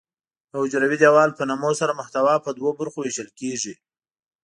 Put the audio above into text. د حجروي دیوال په نمو سره محتوا په دوه برخو ویشل کیږي.